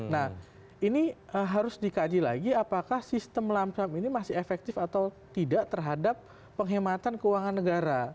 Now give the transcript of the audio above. nah ini harus dikaji lagi apakah sistem lamsam ini masih efektif atau tidak terhadap penghematan keuangan negara